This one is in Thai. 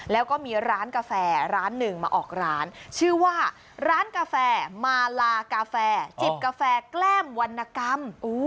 แล้วก็มีร้านกาแฟร้านหนึ่งมาออกร้านชื่อว่าร้านกาแฟมาลากาแฟจิบกาแฟแกล้มวรรณกรรม